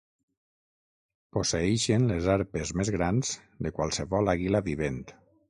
Posseeixen les arpes més grans de qualsevol àguila vivent.